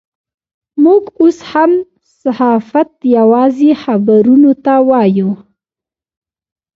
موږ اوس هم صحافت یوازې خبرونو ته وایو.